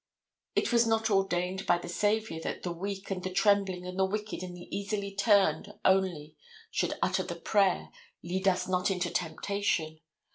It was not ordained by the Saviour that the weak and the trembling and the wicked and the easily turned only should utter the prayer, lead us not into temptation.